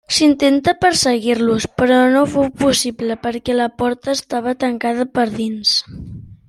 S'intentà perseguir-los però no fou possible perquè la porta estava tancada per dins.